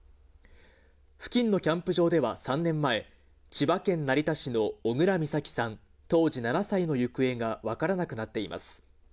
付近のキャンプ場では３年前、千葉県成田市の小倉美咲さん当時７歳の行方が分からなくなっています。